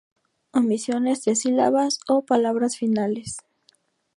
Omisiones de sílabas o palabras finales.